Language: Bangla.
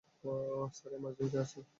স্যার, এমারজেন্সি আছে।